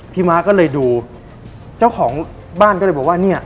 ม้าก็เลยดูเจ้าของบ้านก็เลยบอกว่าเนี่ย